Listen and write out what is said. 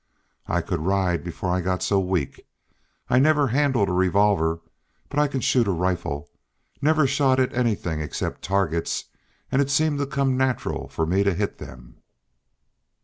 "I could ride before I got so weak. I've never handled a revolver, but I can shoot a rifle. Never shot at anything except targets, and it seemed to come natural for me to hit them."